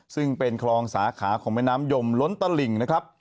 ซึ่งเป็นคลองสาขาของแม่น้ำยมล้นตลิ่งนะครับ